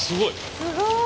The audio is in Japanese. すごい。